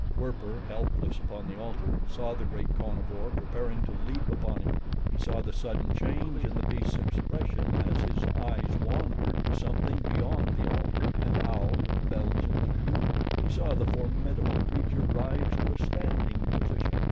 Werper, helpless upon the altar, saw the great carnivore preparing to leap upon him. He saw the sudden change in the beast's expression as his eyes wandered to something beyond the altar and out of the Belgian's view. He saw the formidable creature rise to a standing position.